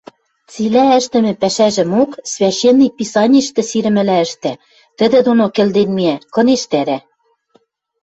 Цилӓ ӹштӹмӹ пӓшӹжӹмок священный писаништӹ сирӹмӹлӓ ӹштӓ, тӹдӹ доно кӹлден миӓ, кынештӓрӓ.